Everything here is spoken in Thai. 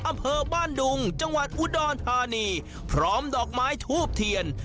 อำเภอบ้านดุงจังหวัดอุดรธานีพร้อมดอกไม้ทูบเทียน